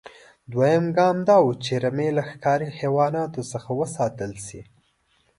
دویم ګام دا و چې رمې له ښکاري حیواناتو څخه وساتل شي.